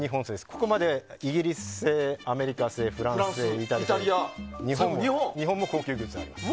ここまでイギリス製、アメリカ製フランス製、イタリア製で最後、日本製です。